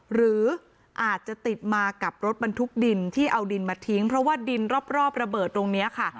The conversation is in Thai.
หรืออาจจะติดมากับรถบรรทุกดินที่เอาดินมาทิ้งเพราะว่าดินรอบระเบิดตรงนี้ค่ะ